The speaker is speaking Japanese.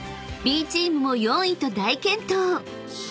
［Ｂチームも４位と大健闘］